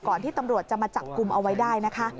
ที่ตำรวจจะมาจับกลุ่มเอาไว้ได้นะคะ